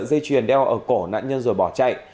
dây chuyền đeo ở cổ nạn nhân rồi bỏ chạy